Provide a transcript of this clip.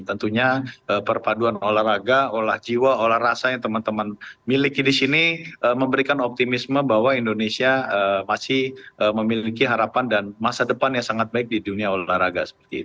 tentunya perpaduan olahraga olah jiwa olah rasa yang teman teman miliki di sini memberikan optimisme bahwa indonesia masih memiliki harapan dan masa depan yang sangat baik di dunia olahraga